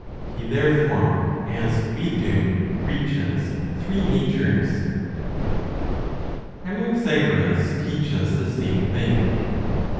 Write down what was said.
He therefore, as we do, reaches three natures. ANAXAGORAS TEACHES THE SAME THING.